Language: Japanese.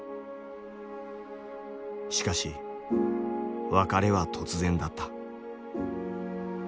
しかし別れは突然だった。